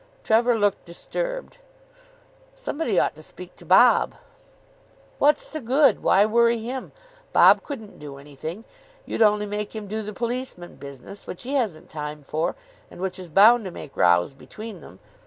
Trevor looked disturbed. "Somebody ought to speak to Bob." "What's the good? Why worry him? Bob couldn't do anything. You'd only make him do the policeman business, which he hasn't time for, and which is bound to make rows between them.